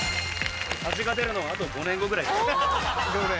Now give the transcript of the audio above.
味が出るのはあと５年後ぐらい。